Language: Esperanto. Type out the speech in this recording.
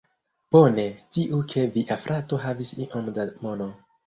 Bone, sciu ke via frato havis iom da mono